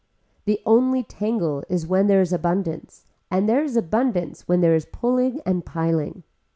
The only tangle is when there is abundance and there is abundance when there is pulling and piling.